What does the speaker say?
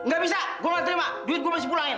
gak bisa gua gak terima duit gua masih pulangin